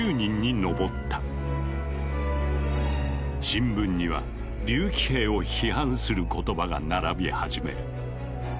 新聞には竜騎兵を批判する言葉が並び始める。